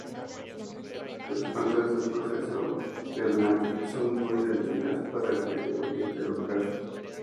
Las plantas de proceso Leblanc son muy dañinas para el medio ambiente local.